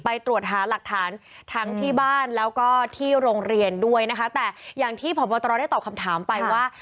ไปตรวจหาหลักฐานทั้งที่บ้านแล้วก็ที่โรงเรียนด้วยนะคะแต่อย่างที่พบตรได้ตอบคำถามไปว่า